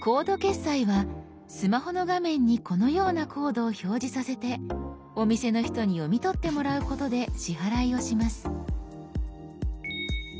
スマホの画面にこのようなコードを表示させてお店の人に読み取ってもらうことで支払いをします。